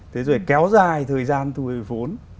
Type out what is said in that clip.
thế rồi kéo dài thời gian thu hồi vốn